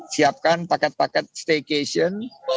siapkan paket paket staycation